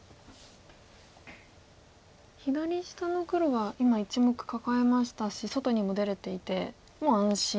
左下の黒は今１目カカえましたし外にも出れていてもう安心。